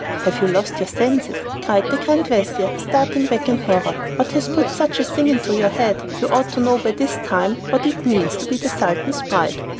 "Have you lost your senses?" cried the grand vizir, starting back in horror. "What has put such a thing into your head? You ought to know by this time what it means to be the sultan's bride!"